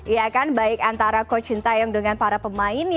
ya kan baik antara coach shin taeyong dengan para pemainnya